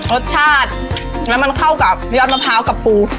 รสชาติแล้วมันเข้ากับยอดมะพร้าวกับปู